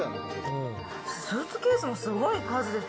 スーツケースもすごい数です。